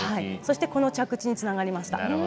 そしてこの着地につながりました。